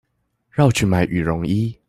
繞去買羽絨衣